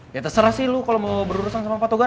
ya terserah sih lu kalau mau berurusan sama patogar